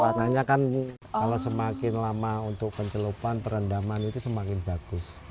warnanya kan kalau semakin lama untuk pencelupan perendaman itu semakin bagus